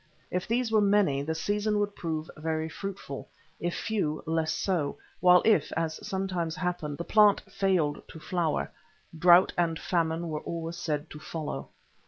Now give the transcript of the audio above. If these were many the season would prove very fruitful; if few, less so; while if, as sometimes happened, the plant failed to flower, drought and famine were always said to follow.